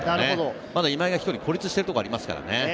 まだ今井が１人孤立しているところがありますから。